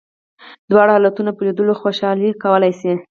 د دواړو حالتونو په لیدلو خوشالي کولای شې.